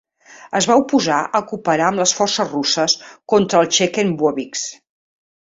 Es va oposar a cooperar amb les forces russes contra els Chechen Boeviks.